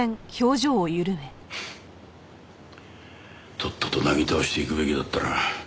とっととなぎ倒していくべきだったな。